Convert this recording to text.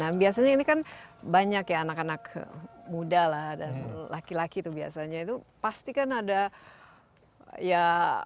nah biasanya ini kan banyak ya anak anak muda lah dan laki laki itu biasanya itu pasti kan ada ya